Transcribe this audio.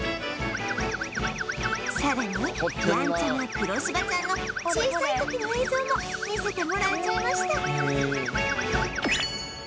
さらにやんちゃな黒柴ちゃんの小さい時の映像も見せてもらえちゃいました